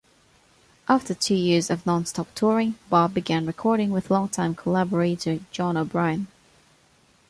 After two years of nonstop touring, Bob began recording with longtime collaborator John O'Brien.